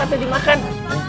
sok atau dimakan